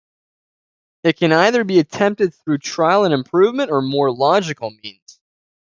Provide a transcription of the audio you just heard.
It can either be attempted through trial and improvement or more logical means.